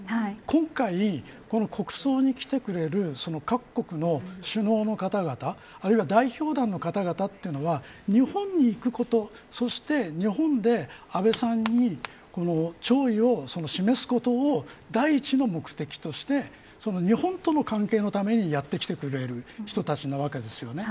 今回、この国葬に来てくれる各国の首脳の方々あるいは代表団の方々というのは日本に行くことそして、日本で安倍さんに弔意を示すことを第一の目的として日本との関係のためにやってきてくれる人たちなわけですよね。